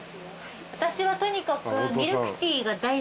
私はとにかく。